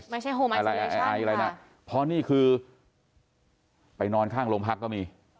ไม่ใช่โฮมไอฟิเรชั่นไอไอไออะไรนะเพราะนี่คือไปนอนข้างโรงพักก็มี